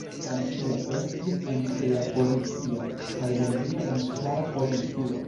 Francio estis en tria pozicio, kaj Belgio en kvara pozicio.